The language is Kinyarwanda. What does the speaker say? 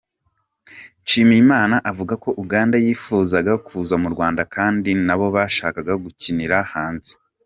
Nshimiyimana avuga ko Uganda yifuzaga kuza mu Rwanda kandi nabo bashaka gukinira hanze.